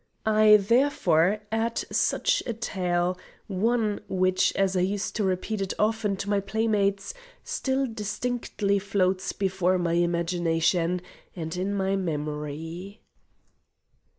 I therefore add such a tale one, which as I used to repeat it often to my playmates, still distinctly floats before my imagination and in my memory."